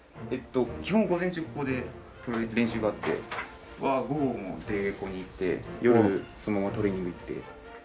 基本午前中ここで練習があって僕は午後も出稽古に行って夜そのままトレーニング行って。